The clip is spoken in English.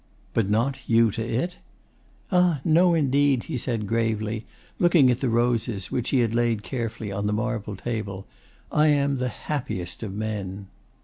'But not you to it?' 'Ah, no indeed,' he said gravely, looking at the roses which he had laid carefully on the marble table. 'I am the happiest of men.